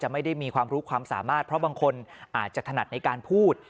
ไม่ได้มีความรู้ความสามารถเพราะบางคนอาจจะถนัดในการพูด